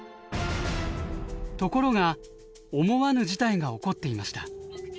ところが思わぬ事態が起こっていました。